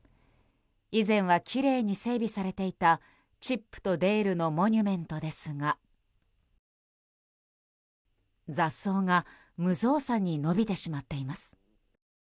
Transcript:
以前はきれいに整備されていたチップとデールのモニュメントですが雑草が無造作に伸びてしまっています。